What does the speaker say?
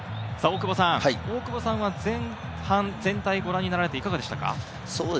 大久保さんは前半、全体をご覧になられていかがでしたか？